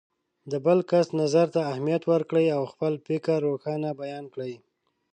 د بل کس نظر ته اهمیت ورکړئ او خپل فکر روښانه بیان کړئ.